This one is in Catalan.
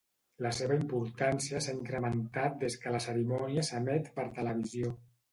La seva importància s'ha incrementat des que la cerimònia s'emet per televisió.